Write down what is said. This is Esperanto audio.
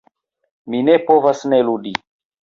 Mi ne povas ne ludi.